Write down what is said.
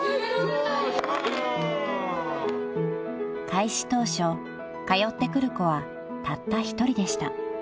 ［開始当初通ってくる子はたった１人でした］